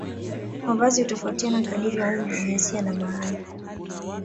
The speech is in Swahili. Mavazi hutofautiana kadiri ya umri jinsia na mahali